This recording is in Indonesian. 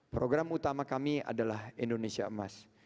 program utama kami adalah indonesia emas